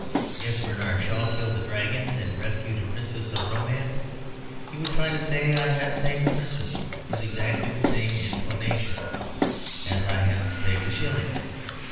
If Bernard Shaw killed a dragon and rescued a princess of romance, he would try to say "I have saved a princess" with exactly the same intonation as "I have saved a shilling."